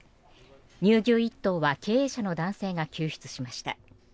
乳牛１頭は経営者の男性が救出しました。